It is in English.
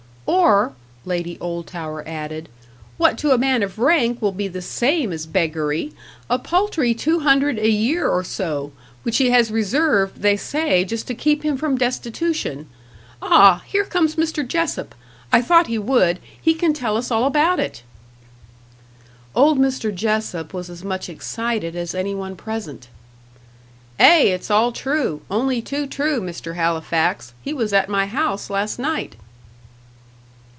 "Or," Lady Oldtower added, "what to a man of rank will be the same as beggary a paltry two hundred a year or so which he has reserved, they say, just to keep him from destitution. Ah here comes Mr. Jessop; I thought he would. He can tell us all about it." Old Mr. Jessop was as much excited as any one present. "Ay it's all true only too true, Mr. Halifax. He was at my house last night."